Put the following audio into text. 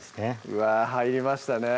うわぁ入りましたね